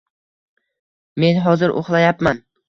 T: Men hozir uxlayapman